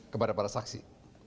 kepada para saksi